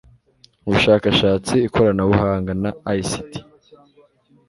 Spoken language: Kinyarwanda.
ubushakashatsi ikoranabuhanga na ICT